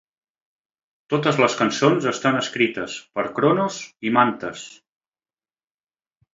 Totes les cançons estan escrites per Cronos i Mantas.